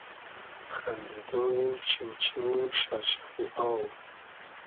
خئندیدۉ و چیو چیو و شئر شئری آو